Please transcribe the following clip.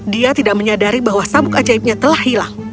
dia tidak menyadari bahwa sabuk ajaibnya telah hilang